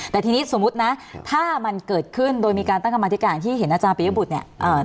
แต่ทีนี้สมมุตินะถ้ามันเกิดขึ้นโดยมีการตั้งกรรมธิการที่เห็นอาจารย์ปียบุตรเนี่ย